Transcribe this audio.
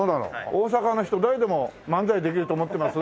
「大阪の人誰でも漫才できると思ってます？